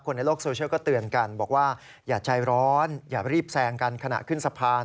ในโลกโซเชียลก็เตือนกันบอกว่าอย่าใจร้อนอย่ารีบแซงกันขณะขึ้นสะพาน